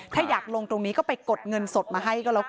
ถ้าอยากลงตรงนี้ก็ไปกดเงินสดมาให้ก็แล้วกัน